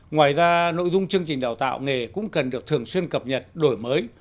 ngoài ra nội dung chương trình đào tạo nghề cũng cần được thường xuyên cập nhật đổi mới